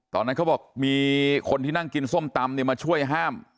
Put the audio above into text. ตอนนั้นเขาบอกมีคนที่นั่งกินส้มตำมาช่วยห้าม